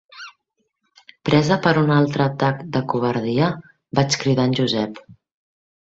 Presa per un altre atac de covardia, vaig cridar en Joseph.